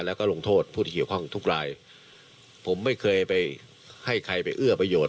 แล้วก็ลงโทษผู้ที่เกี่ยวข้องทุกรายผมไม่เคยไปให้ใครไปเอื้อประโยชน